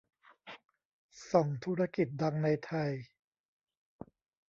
ส่องธุรกิจดังในไทย